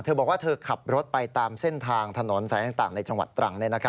บอกว่าเธอขับรถไปตามเส้นทางถนนสายต่างในจังหวัดตรัง